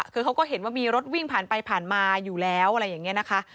คือเขาก็เห็นว่ามีรถวิ่งผ่านไปผ่านมาอยู่แล้วอะไรอย่างนี้นะคะ